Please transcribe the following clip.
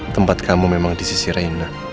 tempat kamu memang di sisi rena